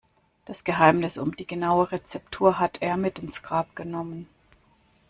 Das Geheimnis um die genaue Rezeptur hat er mit ins Grab genommen.